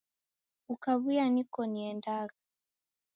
Ukaw'uya niko niendagha.